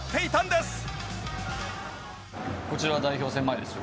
こちらは代表戦前ですよ。